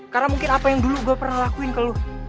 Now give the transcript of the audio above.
karena mungkin apa yang dulu gue pernah lakuin ke lo